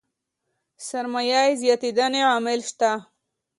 سرمايې زياتېدنې عوامل شته.